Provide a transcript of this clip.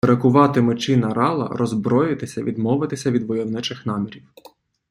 Перекувати мечі на рала - роззброїтися, відмовитися від войовничих намірів